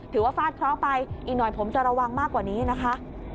ถือว่าฟาดเข้าไปอีกหน่อยผมจะระวังมากกว่านี้นะคะ